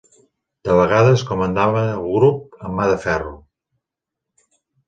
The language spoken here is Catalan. De vegades, comandava el Grup amb mà de ferro.